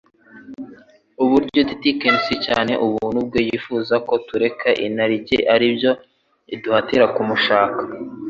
mu buryo dt>kencye cyane ubuntu bwe. Yifuza ko tureka inarijye ariyo iduhatira kumushaka.